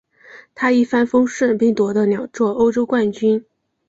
他一帆风顺并夺得两座欧洲冠军。